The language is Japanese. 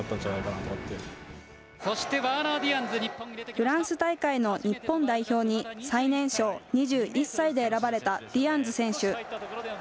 フランス大会の日本代表に、最年少２１歳で選ばれたディアンズ選手。